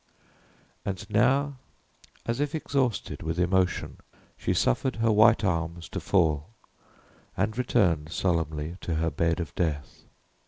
And now, as if exhausted with emotion, she suffered her white arms to fall, and returned solemnly to her bed of death.